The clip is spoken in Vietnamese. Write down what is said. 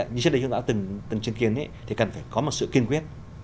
như trước đây chúng ta đã từng chứng kiến ấy thì cần phải có một sự kiên quyết